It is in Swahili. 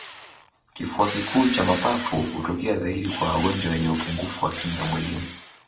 kifua kikuu cha mapafu hutokea zaidi kwa wagonjwa wenye upungufu wa kinga mwilini